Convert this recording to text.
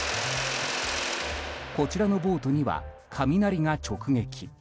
こちらのボートには雷が直撃。